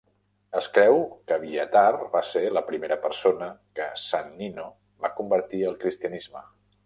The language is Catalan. Es creu que Abiathar va ser la primera persona que Sant Nino va convertir al cristianisme.